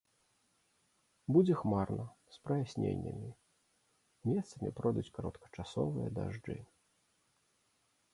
Будзе хмарна з праясненнямі, месцамі пройдуць кароткачасовыя дажджы.